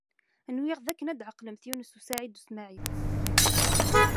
Nwiɣ dakken ad tɛeqlemt Yunes u Saɛid u Smaɛil.